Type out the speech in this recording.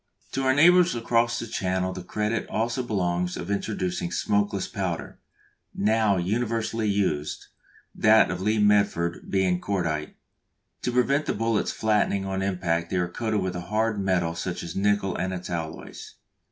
To our neighbours across the Channel the credit also belongs of introducing smokeless powder, now universally used; that of the Lee Metford being "cordite." To prevent the bullets flattening on impact they are coated with a hard metal such as nickel and its alloys.